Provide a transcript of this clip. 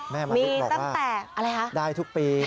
แม่มะลิบอกว่าได้ทุกปี